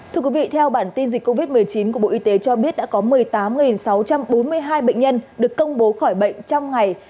thưa quý vị theo bản tin dịch covid một mươi chín của bộ y tế cho biết đã có một mươi tám sáu trăm bốn mươi hai bệnh nhân được công bố khỏi bệnh trong ngày